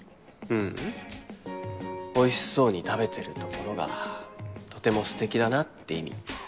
ううんおいしそうに食べてるところがとてもステキだなって意味